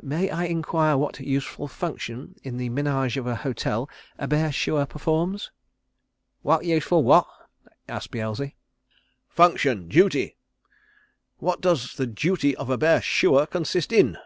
May I inquire what useful function in the ménage of a hotel a bear shooer performs?" "What useful what?" asked Beelzy. "Function duty what does the duty of a bear shooer consist in?"